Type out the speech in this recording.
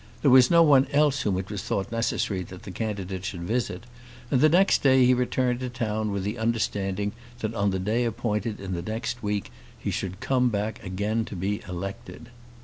There was no one else whom it was thought necessary that the candidate should visit, and the next day he returned to town with the understanding that on the day appointed in the next week he should come back again to be elected.